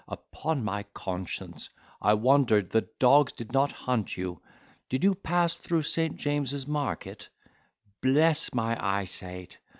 Upon my conscience, I wonder the dogs did not hunt you. Did you pass through St. James's market? Bless my eyesaight!